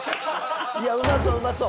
いやうまそううまそう！